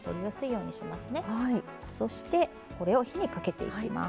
そしてこれを火にかけていきます。